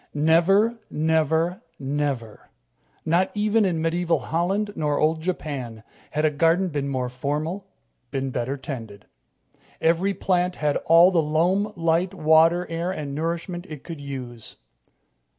Never, never, never not even in medieval Holland nor old Japan had a garden been more formal, been better tended. Every plant had all the loam, light, water, air and nourishment it could use.